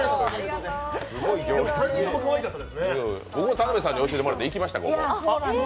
田辺さんに教えてもらって行きました、ここ。